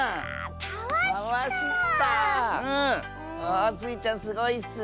あスイちゃんすごいッス！